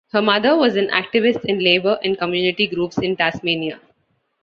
Her mother was an activist in Labor and community groups in Tasmania.